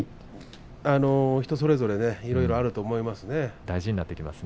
人それぞれいろいろあると思います。